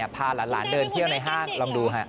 พาหลานเดินเที่ยวในห้างลองดูฮะ